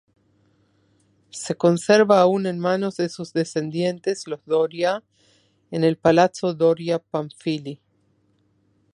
Se conserva aún en manos de sus descendientes, los Doria, en el Palazzo Doria-Pamphili.